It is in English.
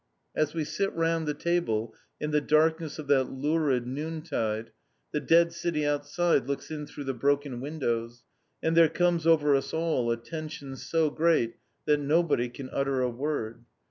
As we sit round the table in the darkness of that lurid noontide, the dead city outside looks in through the broken windows, and there comes over us all a tension so great that nobody can utter a word.